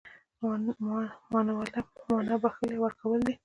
مناوله مانا بخښل، يا ورکول ده.